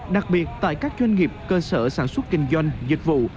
đặc biệt tại các doanh nghiệp cơ sở sản xuất kinh doanh dịch vụ